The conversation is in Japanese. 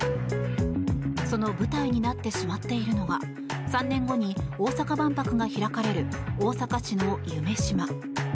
その舞台になってしまっているのが３年後に大阪万博が開かれる大阪市の夢洲。